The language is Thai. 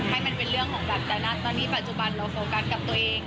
ให้มันเป็นเรื่องของแบบแต่นะตอนนี้ปัจจุบันเราโฟกัสกับตัวเอง